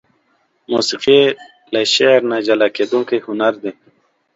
موسيقي له شعر نه جلاکيدونکى هنر دى.